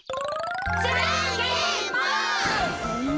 じゃんけんぽん！